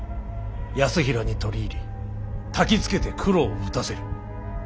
泰衡に取り入りたきつけて九郎を討たせる。